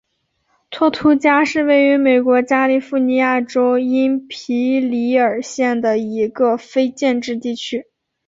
托图加是位于美国加利福尼亚州因皮里尔县的一个非建制地区。